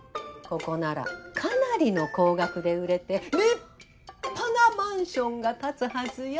ここならかなりの高額で売れて立派なマンションが建つはずよ。